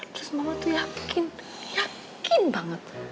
terus mama tuh yakin yakin banget